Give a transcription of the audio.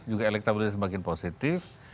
juga elektabilitasnya semakin positif